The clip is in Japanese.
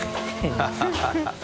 ハハハ